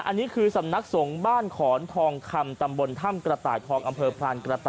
อันนี้คือสำนักสงฆ์บ้านขอนทองคำตำบลถ้ำกระต่ายทองอำเภอพรานกระต่า